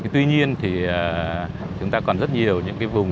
tuy nhiên thì chúng ta còn rất nhiều những cái vùng